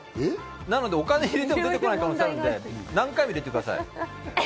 なので、お金を入れても出てこない可能性があるので、何回も入れてください。